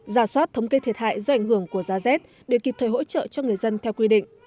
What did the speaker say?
giả soát thống kê thiệt hại do ảnh hưởng của giá rét để kịp thời hỗ trợ cho người dân theo quy định